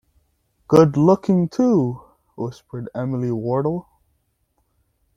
‘Good-looking, too!’ whispered Emily Wardle.